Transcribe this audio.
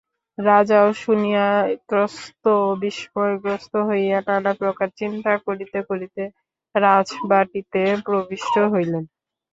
রাজাও শুনিয়া ত্রস্ত ও বিস্ময়গ্রস্ত হইয়া নানাপ্রকার চিন্তা করিতে করিতে রাজবাটীতে প্রবিষ্ট হইলেন।